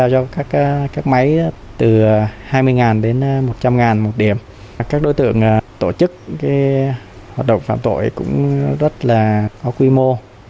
hoạt động phạm tội cũng rất là có quy mô